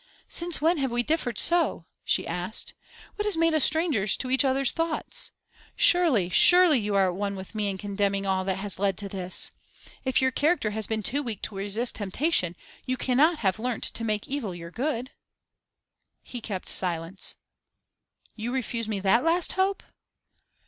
'Since when have we differed so?' she asked. 'What has made us strangers to each other's thoughts? Surely, surely you are at one with me in condemning all that has led to this? If your character has been too weak to resist temptation, you cannot have learnt to make evil your good?' He kept silence. 'You refuse me that last hope?